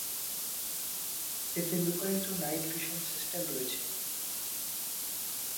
এতে লুকায়িত night vision system রয়েছে।